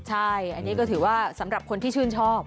ใช่อันนี้ก็ถือว่าสำหรับคนที่ชื่นชอบ